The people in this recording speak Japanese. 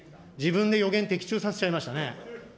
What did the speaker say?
自分で予言的中させちゃいましたね。